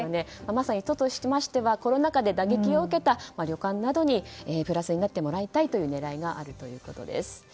まさに、都としましてはコロナ禍で打撃を受けた旅館などにプラスになってもらいたいという狙いがあるようです。